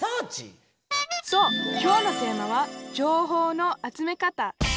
そうきょうのテーマは「情報の集め方」。